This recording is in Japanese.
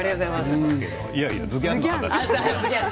いやいや、ズギャン！の話よ。